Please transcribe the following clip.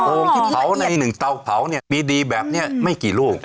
ที่เผาในหนึ่งเตาเผาเนี่ยดีแบบนี้ไม่กี่ลูก